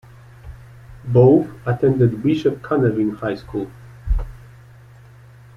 Both attended Bishop Canevin High School.